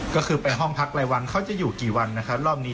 ก็คือไปห้องพักรายวันเขาจะอยู่กี่วันนะครับรอบนี้